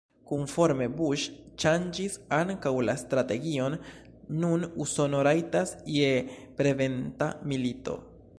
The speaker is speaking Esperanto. Konforme Bush ŝanĝis ankaŭ la strategion: nun Usono rajtas je preventa milito.